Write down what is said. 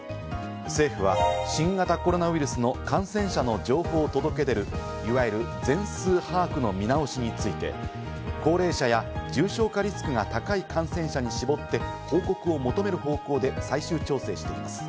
政府は新型コロナウイルスの感染者の情報を届け出るいわゆる全数把握の見直しについて、高齢者や重症化リスクが高い感染者に絞って報告を求める方向で最終調整しています。